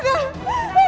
gak ada izzan